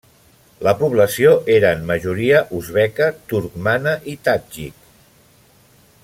La població era en majoria uzbeka, turcmana i tadjik.